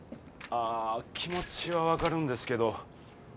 ああ気持ちは分かるんですけど